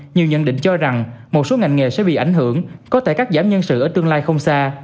nhiều nhận định cho rằng một số ngành nghề sẽ bị ảnh hưởng có thể cắt giảm nhân sự ở tương lai không xa